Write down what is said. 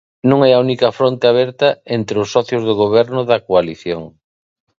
Non é a única fronte aberta entre os socios do Goberno da coalición.